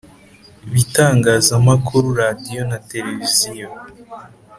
bitangazamakuru Radiyo na Televiziyo